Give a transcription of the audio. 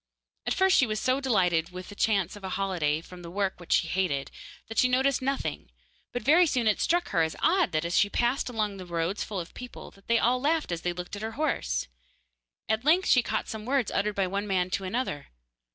At first she was so delighted with the chance of a holiday from the work which she hated, that she noticed nothing, but very soon it struck her as odd that as she passed along the roads full of people they all laughed as they looked at her horse. At length she caught some words uttered by one man to another.